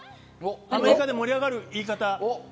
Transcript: アメリカで盛り上がる言い方。